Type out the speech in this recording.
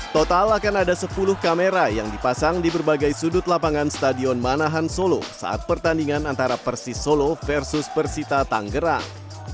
total akan ada sepuluh kamera yang dipasang di berbagai sudut lapangan stadion manahan solo saat pertandingan antara persis solo versus persita tanggerang